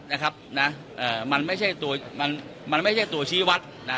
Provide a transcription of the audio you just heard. นะครับนะเอ่อมันไม่ใช่ตัวมันมันไม่ใช่ตัวชี้วัดนะ